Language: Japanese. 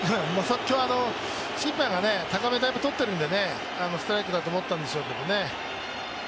今日、審判が高めにとっているのでストライクだと思ったんでしょうけどね。